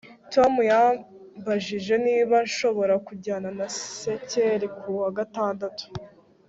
Tom yambajije niba nshobora kujyana na sikeli ku wa gatandatu